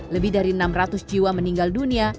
lebih dari enam ratus jiwa meninggal dunia